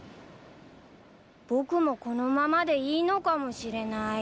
僕もこのままでいいのかもしれない。